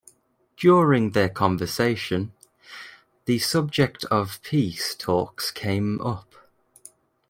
During their conversation, the subject of peace talks came up.